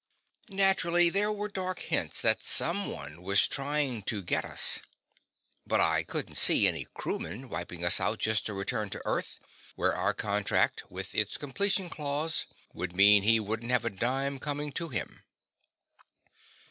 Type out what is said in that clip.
Naturally, there were dark hints that someone was trying to get us; but I couldn't see any crewman wiping us out just to return to Earth, where our contract, with its completion clause, would mean he wouldn't have a dime coming to him.